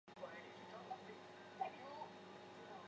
焙烙火矢是日本战国时代所使用兵器。